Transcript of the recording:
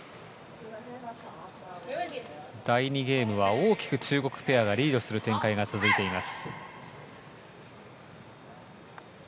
第２ゲームは大きく中国ペアがリードする展開が続いています。